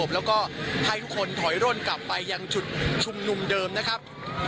แล้วก็ให้ทุกคนถอยร่นกลับไปยังจุดชุมนุมเดิมนะครับ